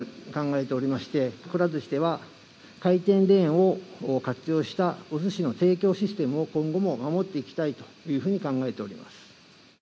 回転ずしは、おすしを回してこそのだいご味だというふうに考えておりまして、くら寿司では、回転レーンを活用したおすしの提供システムを、今後も守っていきたいというふうに考えております。